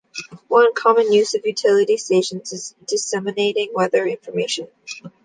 One common use of utility stations is disseminating weather information.